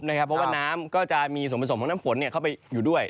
เพราะว่าน้ำก็จะมีส่วนผสมของน้ำฝนเข้าไปอยู่ด้วย